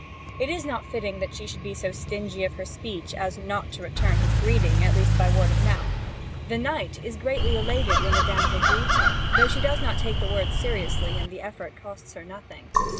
It is not fitting that she should be so stingy of her speech as not to return his greeting, at least by word of mouth. The knight is greatly elated when the damsel greets him; though she does not take the words seriously, and the effort costs her nothing.